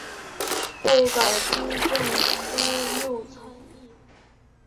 后改通政司右参议。